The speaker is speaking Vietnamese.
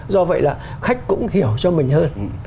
do vậy là khách cũng hiểu cho mình hơn